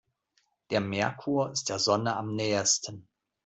Der Merkur ist der Sonne am nähesten.